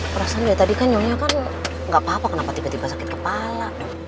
perasaan ya tadi kan nyonya kan nggak apa apa kenapa tiba tiba sakit kepala